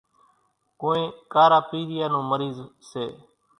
ڪونئين ڪارا پيريا نون مريض سي۔